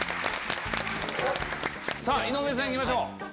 井上さん行きましょう。